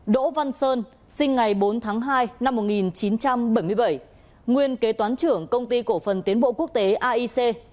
bốn đỗ văn sơn sinh ngày bốn tháng hai năm một nghìn chín trăm bảy mươi bảy nguyên kế toán trưởng công ty cổ phần tiến bộ quốc tế aic